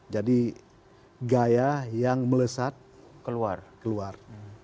jadi gaya yang melesat keluar